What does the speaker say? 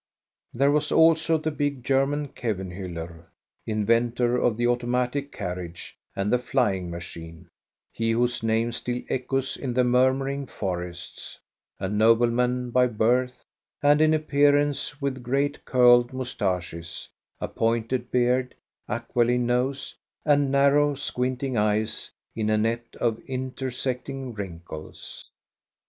There was also the big German Kevenh.uller, inventor of the automatic carriage and the flying machine, he whose name still echoes in the mur muring forests, — a nobleman by birth and in appearance, with great curled moustaches, a pointed beard, aquiline nose, and narrow, squinting eyes in a net of intersecting wrinkles.